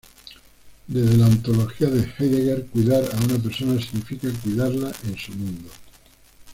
Desde la ontología de Heidegger, cuidar a una persona significa cuidarla en su mundo.